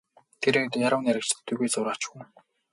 Тэрээр яруу найрагч төдийгүй зураач хүн.